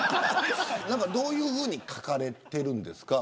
どういうふうに描かれてるんですか。